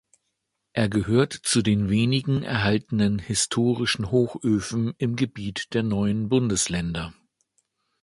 Er gehört zu den wenigen erhaltenen historischen Hochöfen im Gebiet der Neuen Bundesländer.